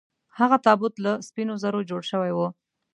هغه تابوت له سپینو زرو جوړ شوی و.